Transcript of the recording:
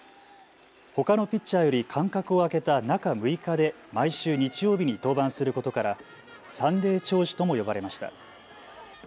ほかのピッチャーより間隔を空けた中６日で毎週日曜日に登板することからサンデー兆治とも呼ばれました。